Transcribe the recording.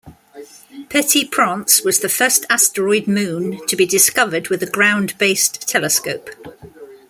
Petit-Prince was the first asteroid moon to be discovered with a ground-based telescope.